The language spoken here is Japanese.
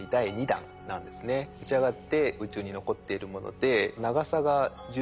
打ち上がって宇宙に残っているもので長さが１１ｍ。